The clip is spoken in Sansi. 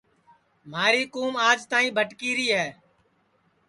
مہاری کُوم آج تک بھٹکی ری ہے آج تک اِس کُوماں کُو کوئی مُکام نائی ملا